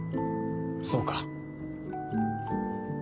そうか。